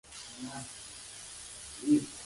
Sus alas se sostienen abiertas al deslizarse.